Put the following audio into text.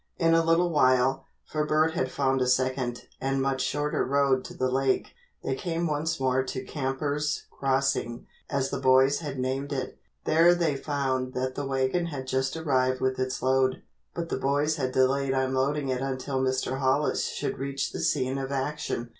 In a little while, for Bert had found a second and much shorter road to the lake, they came once more to "Campers' Crossing" as the boys had named it. There they found that the wagon had just arrived with its load, but the boys had delayed unloading it until Mr. Hollis should reach the scene of action.